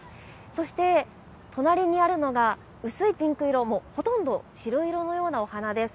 そして、隣にあるのが薄いピンク色、もうほとんど白色のようなお花です。